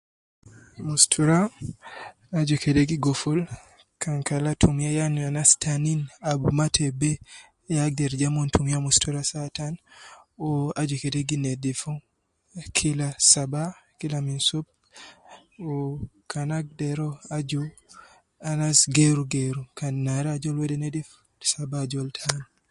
Mustura aju kede gi goful, kan kala tumiya yan anas tanin ab ma te bee ya agder ja mon tumiya mustura saa tan, wu aju kede gi nedifu ,kila saba, kila minsub, wu kan agder uwo, aju anas geeru geeru, kan nare ajol wede nedifu, saba ajol tan